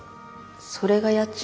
それが家賃。